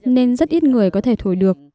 nên rất ít người có thể thổi được